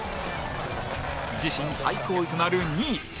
自身最高位となる２位。